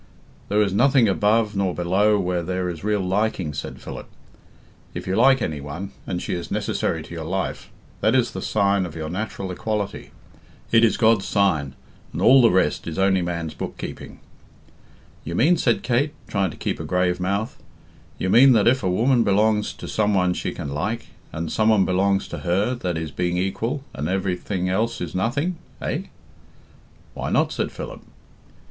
"There is neither above nor below where there is real liking," said Philip. "If you like any one, and she is necessary to your life, that is the sign of your natural equality. It is God's sign, and all the rest is only man's book keeping." "You mean," said Kate, trying to keep a grave mouth, "you mean that if a woman belongs to some one she can like, and some one belongs to her, that is being equal, and everything else is nothing? Eh?" "Why not?" said Philip.